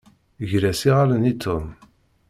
Ger-as iɣallen i Tom.